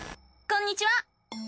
こんにちは！